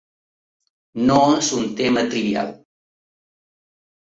No és un tema trivial.